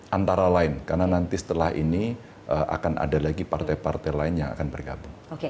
antara lain karena nanti setelah ini akan ada lagi partai partai lain yang akan bergabung